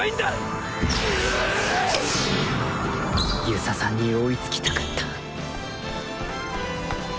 遊佐さんに追いつきたかった